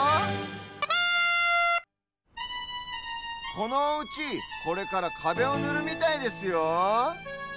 このおうちこれからかべをぬるみたいですよ。